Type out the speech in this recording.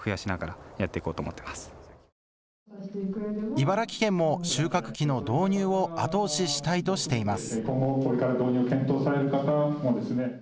茨城県も収穫機の導入を後押ししたいとしています。